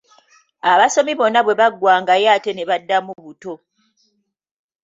Abasomi bonna lwe baggwangayo ate ne baddamu buto.